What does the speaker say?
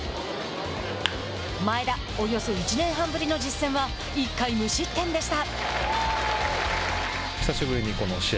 前田、およそ１年半ぶりの実戦は１回無失点でした。